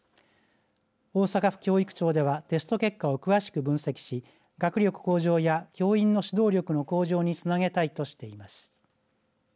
大阪府教育庁ではテスト結果を詳しく分析し学力向上や教員の指導力の向上につなげたいとしています。